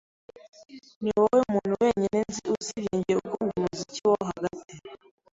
Niwowe muntu wenyine nzi usibye njye ukunda umuziki wo hagati.